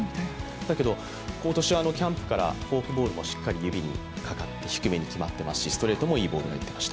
だけど、今年はキャンプからフォークボールも指にかかって低めに決まっていますし、ストレートもいいボールが入ってました。